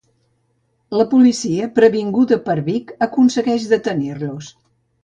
La policia previnguda per Vic aconsegueix detenir-los.